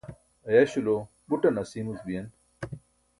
ayaśulo buṭan asiimuc biyen